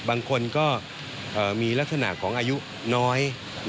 บางคนก็มีลักษณะของอายุน้อย